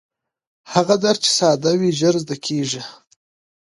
هغه درس چې ساده وي ژر زده کېږي.